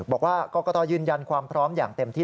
บอกว่ากรกตยืนยันความพร้อมอย่างเต็มที่